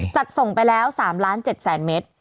จัดส่งไปแล้ว๓๗๐๐เมตร